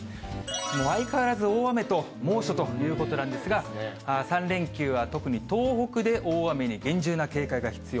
もうあいかわらず大雨と猛暑ということなんですが、３連休は特に東北で大雨に厳重な警戒が必要。